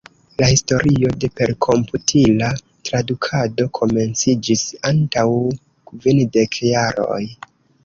La historio de perkomputila tradukado komenciĝis antaŭ kvindek jaroj.